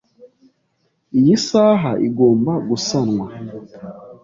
Iyi saha igomba gusanwa.